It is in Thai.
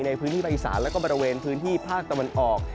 ในพื้นที่ไพรศาลและก็บริเวณพื้นที่ภาคตะวันออก